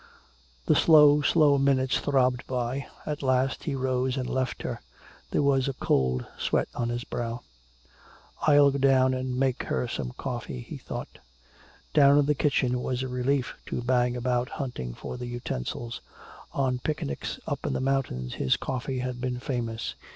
The slow, slow minutes throbbed away. At last he rose and left her. There was a cold sweat on his brow. "I'll go down and make her some coffee," he thought. Down in the kitchen it was a relief to bang about hunting for the utensils. On picnics up in the mountains his coffee had been famous.